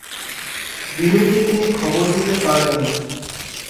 বিনুকে তিনি খবর দিতে পারলেন না।